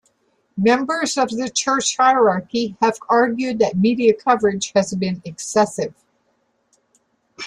Members of the church hierarchy have argued that media coverage has been excessive.